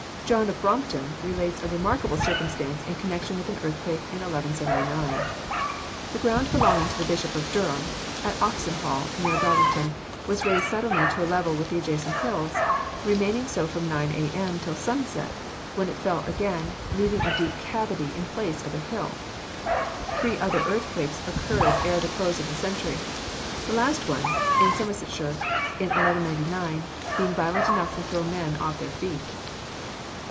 John of Brompton relates a remarkable circumstance in connection with an earthquake in 1179. The ground belonging to the bishop of Durham, at Oxenhall near Darlington, was raised suddenly to a level with the adjacent hills, remaining so from 9 A.M. till sunset, when it fell again, leaving a deep cavity in place of a hill. Three other earthquakes occurred ere the close of the century; the last one, in Somersetshire in 1199, being violent enough to throw men off their feet.